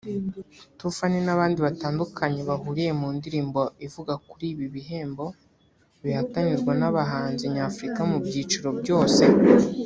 Toofan n’abandi batandukanye bahuriye mu ndirimbo ivuga kuri ibi bihembo bihatanirwa n’abahanzi nyafurika mu byiciro byose